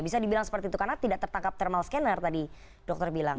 bisa dibilang seperti itu karena tidak tertangkap thermal scanner tadi dokter bilang